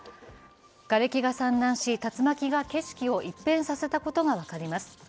がれきが散乱し、竜巻が景色を一変させたことが分かります。